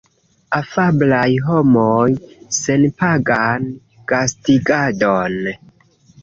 Afablaj homoj. Senpagan gastigadon